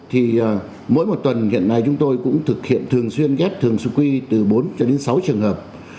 thì mỗi một tuần hiện nay chúng tôi cũng thực hiện thường xuyên ghép thường sq quy từ bốn cho đến sáu trường hợp